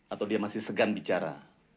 atau dia masih segan bicara